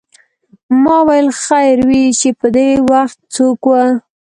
ما ویل خیر وې چې پدې وخت څوک و.